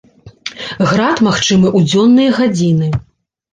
Град магчымы ў дзённыя гадзіны.